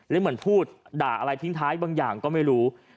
แล้วเหมือนพูดด่าอะไรทิ้งท้ายบางอย่างก็ไม่รู้